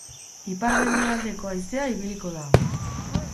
Ipar-mendebaldeko haizea ibiliko da.